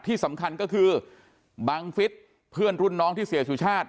ที่สำคัญก็คือบังฟิศเพื่อนรุ่นน้องที่เสียสุชาติ